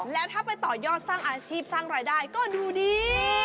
แล้วถ้าไปต่อยอดสร้างอาชีพสร้างรายได้ก็ดูดี